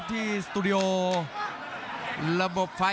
กรรมการเตือนทั้งคู่ครับ๖๖กิโลกรัม